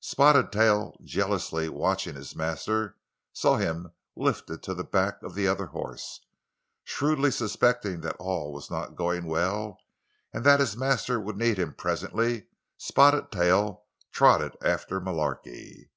Spotted Tail, jealously watching his master, saw him lifted to the back of the other horse. Shrewdly suspecting that all was not going well, and that his master would need him presently, Spotted Tail trotted after Mullarky.